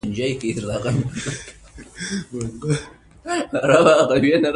هغوی وویل چې د ملالۍ ږغ آسماني و.